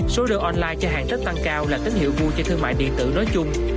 số đơn online cho hàng tết tăng cao là tín hiệu vui cho thương mại điện tử nói chung